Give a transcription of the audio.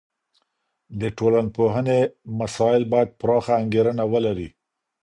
د ټولنپوهني مسایل باید پراخه انګیرنه ولري.